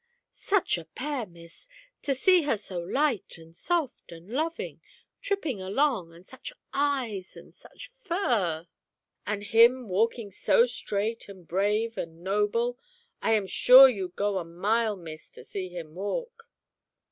"Such a pair, Miss! To see her so light, and soft, and loving, tripping along, and such eyes and such fur; and him walking so straight, and brave, and noble. I am sure you'd go a mile, Miss, to see him walk."